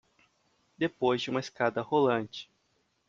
Depois de uma escada rolante